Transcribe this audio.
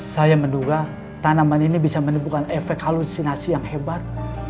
saya menduga tanaman ini bisa menimbulkan efek halusinasi yang hebat